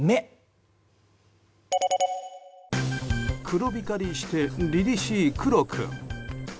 黒光りして、りりしいクロ君。